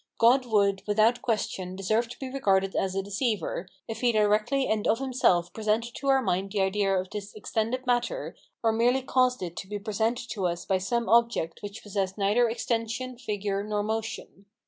God would, without question, deserve to be regarded as a deceiver, if he directly and of himself presented to our mind the idea of this extended matter, or merely caused it to be presented to us by some object which possessed neither extension, figure, nor motion.